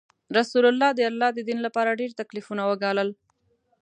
رسول الله د الله د دین لپاره ډیر تکلیفونه وګالل.